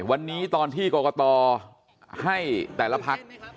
วันนี้ตอนที่กรกตให้แต่ละพัก